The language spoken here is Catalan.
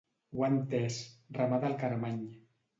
Ho ha entès —remata el Carmany.